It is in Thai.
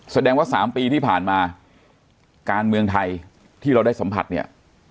แสดงว่า๓ปีที่ผ่านมาการเมืองไทยที่เราได้สัมผัสเนี่ย